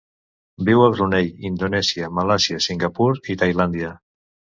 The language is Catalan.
Viu a Brunei, Indonèsia, Malàisia, Singapur i Tailàndia.